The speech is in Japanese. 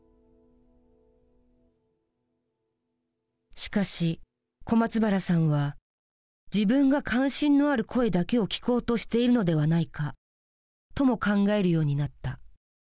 しかし小松原さんは自分が関心のある声だけを聞こうとしているのではないかとも考えるようになった。